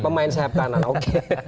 pemain sayap kanan oke